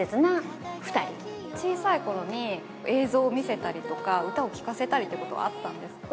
小さいころに、映像を見せたりとか、歌を聴かせたりってことはあったんですか？